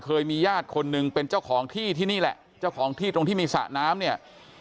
เคยมีญาติคนหนึ่งเป็นเจ้าของที่ที่นี่แหละเจ้าของที่ตรงที่มีสระน้ำเนี่ย